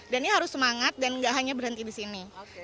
dan ini harus semangat dan nggak hanya berhenti di sini